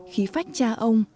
khí phách cha ông